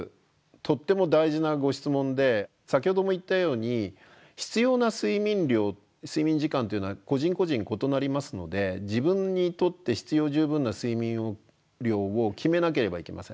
とっても大事なご質問で先ほども言ったように必要な睡眠量睡眠時間というのは個人個人異なりますので自分にとって必要十分な睡眠量を決めなければいけません。